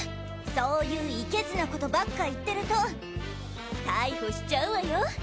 そいうイケズな事ばっか言ってると逮捕しちゃうわよ！